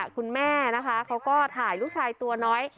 คุณแม่นะคะเขาก็ถ่ายลูกชายตัวน้อย